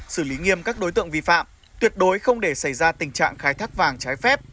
xử lý nghiêm các đối tượng vi phạm tuyệt đối không để xảy ra tình trạng khai thác vàng trái phép